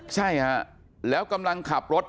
ใช่ฮะแล้วกำลังขับรถ